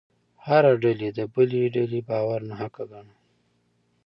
هره ډلې د بلې ډلې باور ناحقه ګاڼه.